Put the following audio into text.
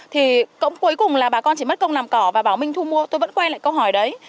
thì cuối cùng là bà con chỉ mất công làm cỏ và bảo minh thu mua tôi vẫn quay lại câu hỏi đấy